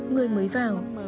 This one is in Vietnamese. người mới vào